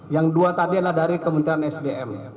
yang dua tadi adalah dari kementerian sdm